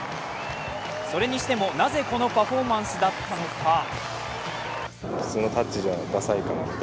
それにしてもなぜこのパフォーマンスだったのか。